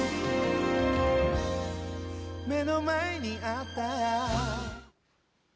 「目の前にあった」